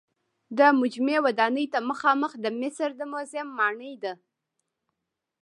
د مجمع ودانۍ ته مخامخ د مصر د موزیم ماڼۍ ده.